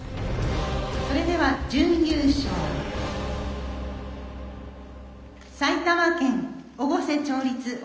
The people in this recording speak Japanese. それでは準優勝埼玉県越生町立越生小学校。